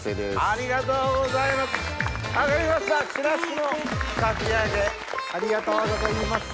ありがとうございます。